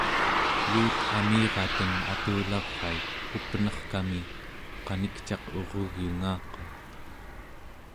yuut amirateng aturlarait up'nerkami qanikcaq urugyungaqan